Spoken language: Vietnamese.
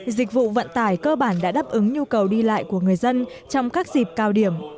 dịch vụ vận tải cơ bản đã đáp ứng nhu cầu đi lại của người dân trong các dịp cao điểm